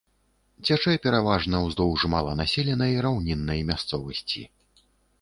Цячэ пераважна ўздоўж маланаселенай раўніннай мясцовасці.